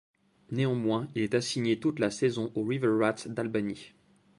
Néanmoins, il est assigné toute la saison aux River Rats d'Albany.